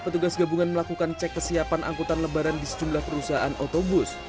petugas gabungan melakukan cek kesiapan angkutan lebaran di sejumlah perusahaan otobus